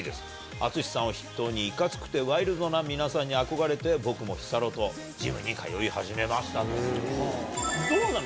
ＡＴＳＵＳＨＩさんを筆頭に、いかつくてワイルドな皆さんに憧れて、僕も日サロやジムに通い始めましたと。